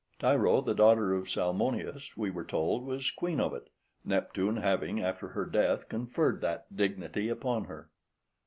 Tyro, {114a} the daughter of Salmoneus, we were told, was queen of it, Neptune having, after her death, conferred that dignity upon her.